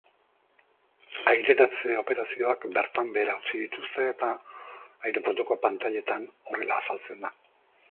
Aireratze operazioak bertan behera utzi dituzte, eta aireportuko pantailetan horrela azaltzen da.